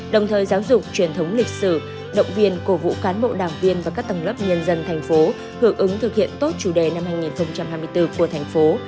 đồng thời giáo dục truyền thống lịch sử động viên cổ vũ cán bộ đảng viên và các tầng lớp nhân dân thành phố hưởng ứng thực hiện tốt chủ đề năm hai nghìn hai mươi bốn của thành phố